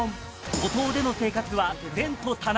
五島での生活は前途多難。